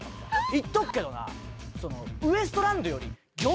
「言っとくけどな」。